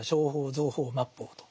像法末法と。